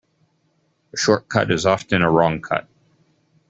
A short cut is often a wrong cut.